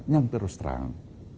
yang terus terang